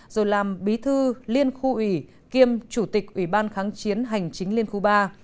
rồi làm bí thư liên khu ủy kiêm chủ tịch ủy ban kháng chiến hành chính liên khu ba